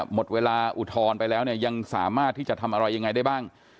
หมดเวลาอุทธรณ์ไปแล้วเนี่ยยังสามารถที่จะทำอะไรยังไงได้บ้าง